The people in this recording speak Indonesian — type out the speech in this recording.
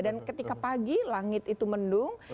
dan ketika pagi langit itu mendung